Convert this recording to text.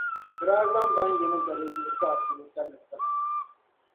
bɛ daa zaŋ ban’ yini ga di zuɣusaa polo tabili taba.